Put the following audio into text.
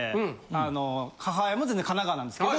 あの母親も全然神奈川なんですけど。